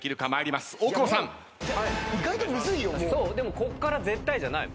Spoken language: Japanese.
こっから絶対じゃない。